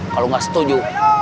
kalau nggak setuju